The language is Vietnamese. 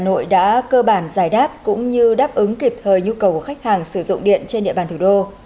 nhiều người đã cố gắng giải đáp cũng như đáp ứng kịp thời nhu cầu của khách hàng sử dụng điện trên địa bàn thủ đô